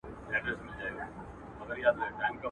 دى بېواكه وو كاڼه يې وه غوږونه.